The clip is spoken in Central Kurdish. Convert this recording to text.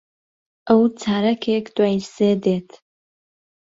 ئەو چارەکێک دوای سێ دێت.